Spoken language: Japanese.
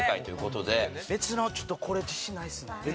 別のちょっとこれ自信ないですね。